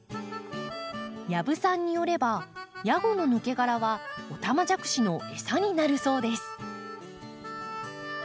養父さんによればヤゴの抜け殻はオタマジャクシのエサになるそうです。